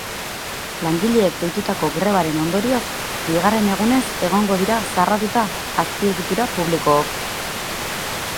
Langileek deitutako grebaren ondorioz, bigarren egunez egongo dira zarratuta azpiegitura publikook.